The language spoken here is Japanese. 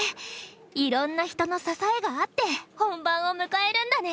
いろんな人の支えがあって本番を迎えるんだね。